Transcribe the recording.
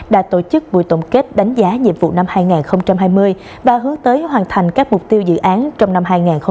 đã tổ chức buổi tổng kết đánh giá nhiệm vụ năm hai nghìn hai mươi và hướng tới hoàn thành các mục tiêu dự án trong năm hai nghìn hai mươi một